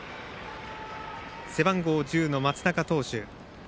背番号１０の松中投手。